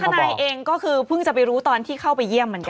นายเองก็คือเพิ่งจะไปรู้ตอนที่เข้าไปเยี่ยมเหมือนกัน